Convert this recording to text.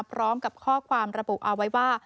พร้อมกับข้อความระบุเอาไว้ว่า